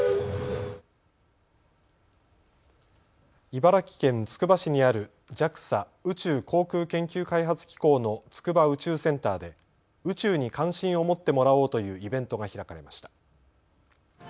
茨城県つくば市にあるＪＡＸＡ・宇宙航空研究開発機構の筑波宇宙センターで宇宙に関心を持ってもらおうというイベントが開かれました。